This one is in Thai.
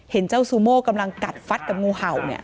เห็นเจ้าซูโม่กำลังกัดฟัดกับงูเห่าเนี่ย